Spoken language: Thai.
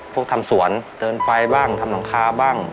พวกทำสวนเตินไฟบ้างทำหนงคาบ้าง